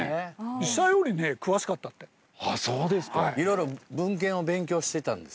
あそうですか。いろいろ文献を勉強してたんですか？